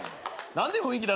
何で雰囲気